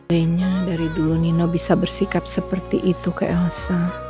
lainnya dari dulu nino bisa bersikap seperti itu ke elsa